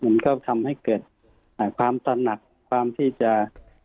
มันก็ทำให้เกิดแห่งความตัดหนักความที่จะเอ่อ